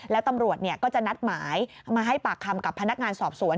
แล้วตำรวจก็จะนัดหมายมาให้ปากคำกับพนักงานสอบสวน